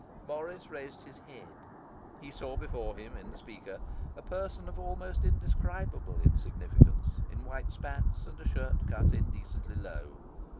Morris raised his head. He saw before him, in the speaker, a person of almost indescribable insignificance, in white spats and a shirt cut indecently low.